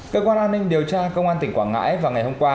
cơ quan an ninh điều tra công an tỉnh quảng ngãi vào ngày hôm qua